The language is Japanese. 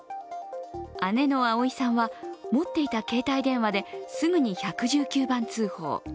姉の蒼依さんは、持っていた携帯電話ですぐに１１９番通報。